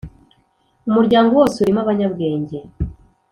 umuryango wose urimo abanyabwenge